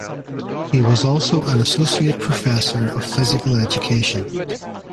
He was also an associate professor of physical education.